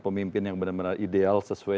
pemimpin yang benar benar ideal sesuai